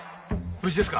無事ですか？